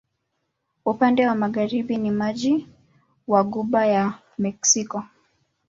Upande wa magharibi ni maji wa Ghuba ya Meksiko.